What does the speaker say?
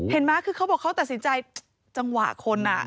มั้ยคือเขาบอกเขาตัดสินใจจังหวะคน